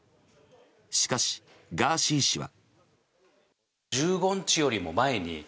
しかし、ガーシー氏は。